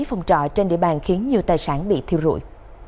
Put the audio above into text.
phòng trọ trên địa bàn khiến nhiều tài sản bị thiêu rụi